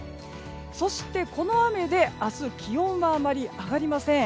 そして、この雨で明日気温はあまり上がりません。